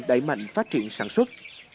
đẩy mạnh phát triển sản xuất